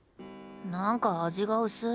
なんか味が薄い。